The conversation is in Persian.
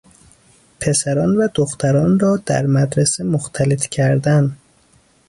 پسران و دختران را در مدرسه مختلط کردن